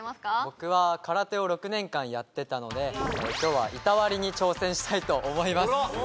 僕は空手を６年間やってたので今日は板割りに挑戦したいと思います